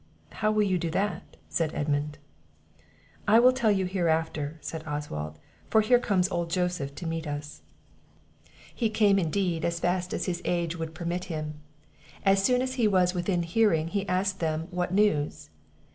"How will you do that," said Edmund? "I will tell you hereafter," said Oswald; "for here comes old Joseph to meet us." He came, indeed, as fast as his age would permit him. As soon as he was within hearing, he asked them what news?